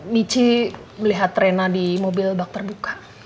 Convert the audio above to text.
michi melihat rena di mobil bak terbuka